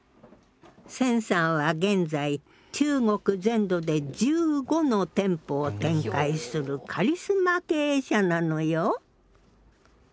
銭さんは現在中国全土で１５の店舗を展開するカリスマ経営者なのよ。